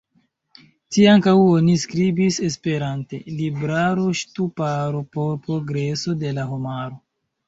Tie ankaŭ oni skribis esperante "Libraro-Ŝtuparo por Progreso de la Homaro".